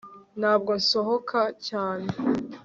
ntabwo nsohoka cyane